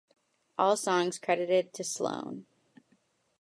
All songs credited to Sloan.